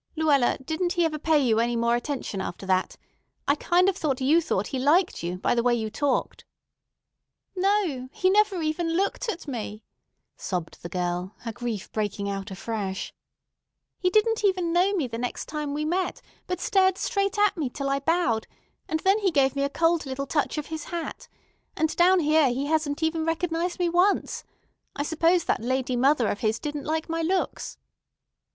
"Luella, didn't he ever pay you any more attention after that? I kind of thought you thought he liked you, by the way you talked." "No, he never even looked at me," sobbed the girl, her grief breaking out afresh. "He didn't even know me the next time we met, but stared straight at me till I bowed, and then he gave me a cold little touch of his hat. And down here he hasn't even recognized me once. I suppose that lady mother of his didn't like my looks."